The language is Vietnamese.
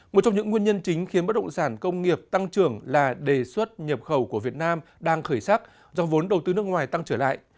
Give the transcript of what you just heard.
một trong những nguyên nhân chính khiến bất động sản công nghiệp tăng trưởng là đề xuất nhập khẩu của việt nam đang khởi sắc do vốn đầu tư nước ngoài tăng trở lại